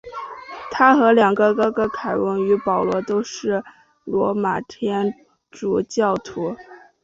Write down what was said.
他和两个哥哥凯文与保罗都是罗马天主教徒。